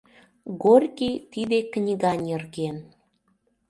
Горький тиде книга нерген.